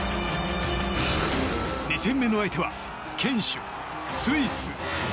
２戦目の相手は堅守スイス。